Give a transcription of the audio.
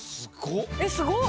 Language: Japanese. えすごっ！